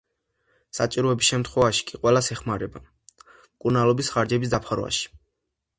საჭიროების შემთხვევაში კი ყველა ეხმარება მკურნალობის ხარჯების დაფარვაში.